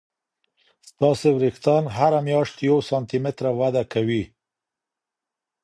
ستاسې وریښتان هر میاشت یو سانتي متره وده کوي.